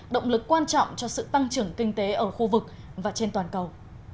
động lực quan trọng cho sự tăng trưởng kinh tế ở khu vực và trên toàn cầu